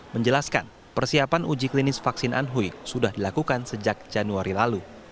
menjelaskan persiapan uji klinis vaksin anhui sudah dilakukan sejak januari lalu